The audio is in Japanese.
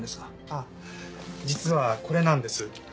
ああ実はこれなんです。